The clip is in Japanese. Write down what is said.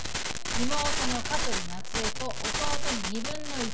妹の香取夏江と弟に２分の１ずつ。